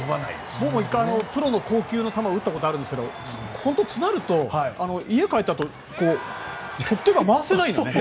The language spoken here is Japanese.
僕も硬球の球を打ったことがあるんですけど本当に詰まると家帰ったあと腕が回せないよね。